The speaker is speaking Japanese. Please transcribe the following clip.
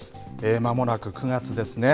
まもなく９月ですね。